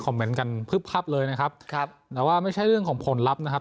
เมนต์กันพึบพับเลยนะครับครับแต่ว่าไม่ใช่เรื่องของผลลัพธ์นะครับ